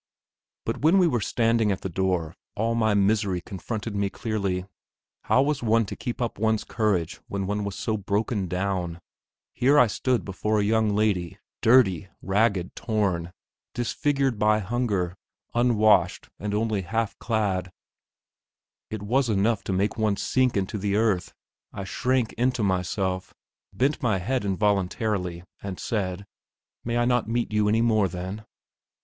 But when we were standing at the door all my misery confronted me clearly. How was one to keep up one's courage when one was so broken down? Here I stood before a young lady, dirty, ragged, torn, disfigured by hunger, unwashed, and only half clad; it was enough to make one sink into the earth. I shrank into myself, bent my head involuntarily, and said: "May I not meet you any more then?"